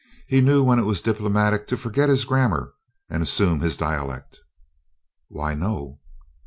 He knew when it was diplomatic to forget his grammar and assume his dialect. "Why no."